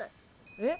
えっ。